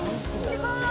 すごい。